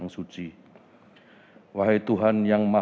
juga teman teman danible